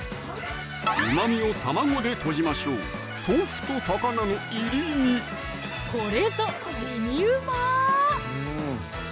うまみを卵でとじましょうこれぞ地味うま！